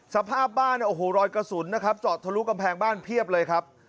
สภาพบ้านโอ้โหรอยกระสุนจอดทะลุกำแพงบ้านเพียบเลยครับ